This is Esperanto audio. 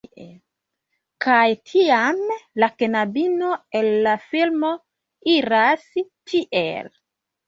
Kaj tiam, la knabino el la filmo iras tiel: